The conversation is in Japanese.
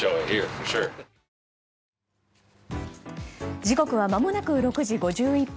時刻はまもなく６時５１分。